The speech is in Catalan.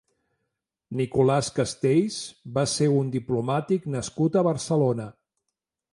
Nicolás Castells va ser un diplomàtic nascut a Barcelona.